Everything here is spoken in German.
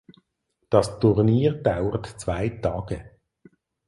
Das Turnier dauert zwei Tage.